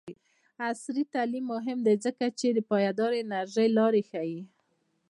عصري تعلیم مهم دی ځکه چې د پایداره انرژۍ لارې ښيي.